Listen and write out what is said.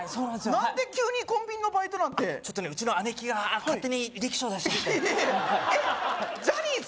何で急にコンビニのバイトなんてちょっとうちの姉貴が勝手に履歴書を出しちゃっていやいやえっジャニーズ？